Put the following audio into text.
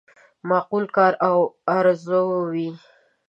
معقول کار او آرزو وي.